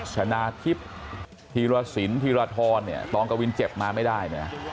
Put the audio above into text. ชนะทิพย์ธีรศิลป์ธีรศิลป์ธีรศิลป์ธรรมตรองกะวินเจ็บมาไม่ได้